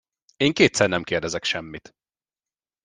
Én kétszer nem kérdezek semmit!